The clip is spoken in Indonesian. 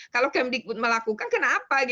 kalau kem dikut melakukan kenapa